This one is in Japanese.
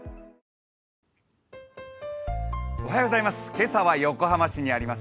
今朝は横浜市にあります